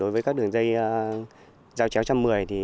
với các đường dây dao chéo trăm mười